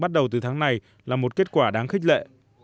bắt đầu từ tháng này là một kết quả đáng khích lệ